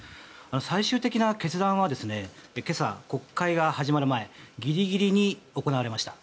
最終的な決断は今朝、国会が始まる前ギリギリに行われました。